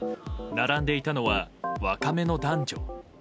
並んでいたのは若めの男女。